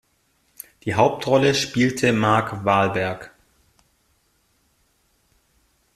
Die Hauptrolle spielte Mark Wahlberg.